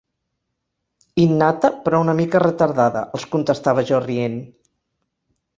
Innata però una mica retardada, els contestava jo, rient.